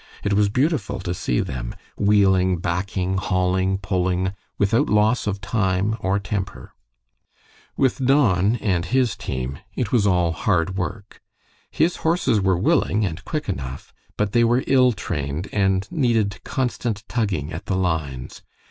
It was beautiful to see them, wheeling, backing, hauling, pulling, without loss of time or temper. With Don and his team it was all hard work. His horses were willing and quick enough, but they were ill trained and needed constant tugging at the lines.